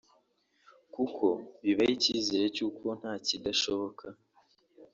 kuko bibaha icyizere cy’uko nta kidashoboka